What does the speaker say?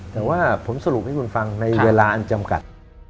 แต่ว่าผมสรุปให้คุณฟังในเวลาอันจำกัด